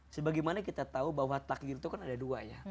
sebagaimana kita tahu bahwa takdir itu kan ada dua ya